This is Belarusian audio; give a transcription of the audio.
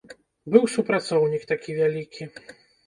Быў супрацоўнік такі вялікі.